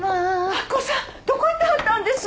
明子さんどこ行ってはったんです？